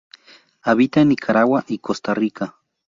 Habita en Nicaragua y Costa Rica.